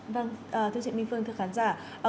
vâng thưa chị minh phương thưa khán giả